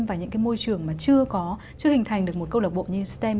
và những cái môi trường mà chưa có chưa hình thành được một câu lạc bộ như stem